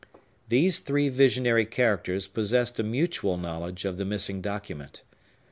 These three visionary characters possessed a mutual knowledge of the missing document.